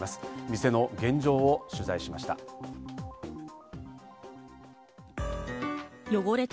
店の現状を取材しました。